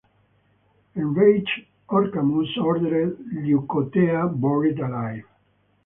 Enraged, Orchamus ordered Leucothea buried alive.